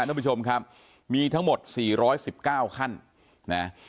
น้องผู้ชมครับมีทั้งหมดสี่ร้อยสิบเก้าขั้นนะฮะ